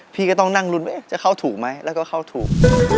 พี่ก็ต้องนั่งลุ้นว่าจะเข้าถูกไหมแล้วก็เข้าถูก